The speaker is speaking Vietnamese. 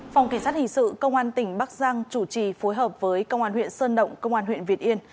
phòng kỳ sát hình sự công an tỉnh bắc giang chủ trì phối hợp với công an huyện sơn động công an huyện việt yên